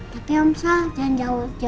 tapi omsal jangan jauh jauh dari aku sama mama ya